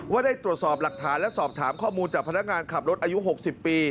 ได้ตรวจสอบหลักฐานและสอบถามข้อมูลจากพนักงานขับรถอายุ๖๐ปี